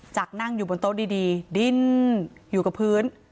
นั่งอยู่บนโต๊ะดีดิ้นอยู่กับพื้น